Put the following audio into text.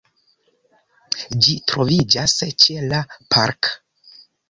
Ĝi troviĝas ĉe la “Park”.